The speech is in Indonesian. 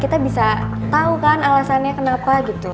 kita bisa tahu kan alasannya kenapa gitu